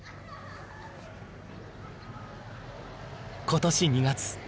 今年２月。